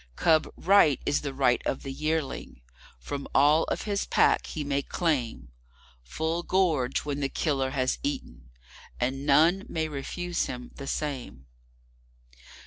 Cub Right is the right of the Yearling. From all of his Pack he may claimFull gorge when the killer has eaten; and none may refuse him the same.